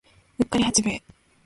うっかり八兵衛